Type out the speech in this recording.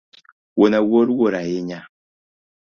Wuon Awuor wuor ahinya